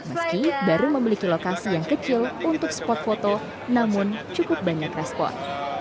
meski baru memiliki lokasi yang kecil untuk spot foto namun cukup banyak respon